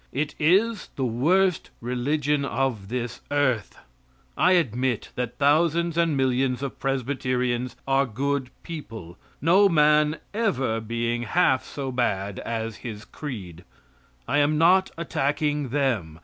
It is the worst religion of this earth. I admit that thousands and millions of Presbyterians are good people, no man ever being half so bad as his creed. I am not attacking them.